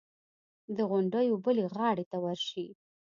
د غونډیو بلې غاړې ته ورشي.